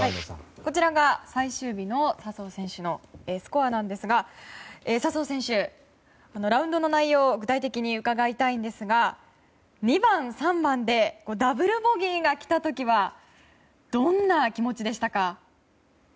こちらが最終日の笹生選手のスコアなんですが笹生選手、ラウンドの内容を具体的に伺いたいんですが２番、３番でダブルボギーが来た時はどんな気持ちでしたか？